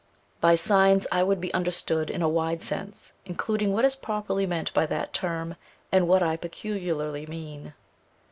By signs, I would be understood in a wide sense, including what is properly meant by that term, and what I peculiarly mean.